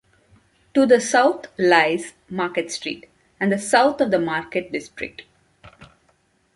To the south lies Market Street and the South of Market district.